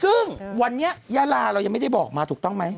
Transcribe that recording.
ซึ่งวันนี้ยาลาเรายังไม่ได้บอกมาถูกต้องไหม